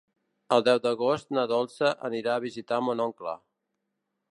El deu d'agost na Dolça anirà a visitar mon oncle.